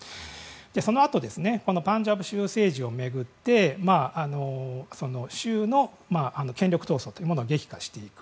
そのあとパンジャブ州政治を巡ってその州の権力闘争ができたりしていく。